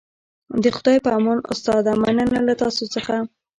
د خدای په امان استاده مننه له تاسو څخه